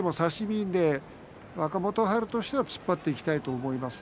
若元春としては突っ張っていきたいですね